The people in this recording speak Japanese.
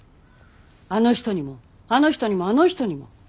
あの人にもあの人にもあの人にも。